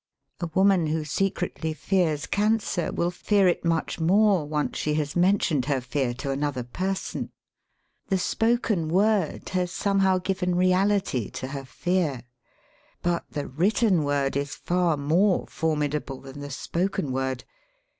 A woman who secretly fears cancer will fear it much more once she has mentioned her fear to another person. The spoken word has somehow given reality to her fear. But the written word is far more formidable than the spoken word.